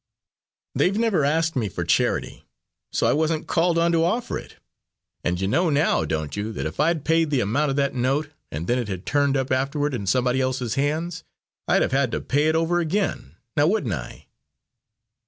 "They've never asked me for charity, so I wasn't called on to offer it. And you know now, don't you, that if I'd paid the amount of that note, and then it had turned up afterward in somebody else's hands, I'd have had to pay it over again; now wouldn't I?"